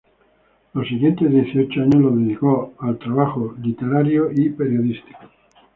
Los siguientes dieciocho años los dedicó al trabajo literario y periodístico.